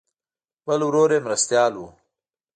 بل ورور یې مرستیال و.